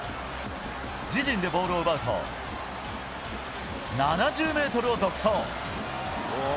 自陣でボールを奪うと、７０メートルを独走。